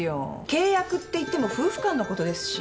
契約っていっても夫婦間のことですし。